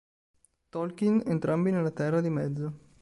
Tolkien, entrambi nella Terra di Mezzo.